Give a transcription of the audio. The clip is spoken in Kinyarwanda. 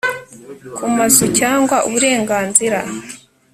ku mazu cyangwa uburenganzira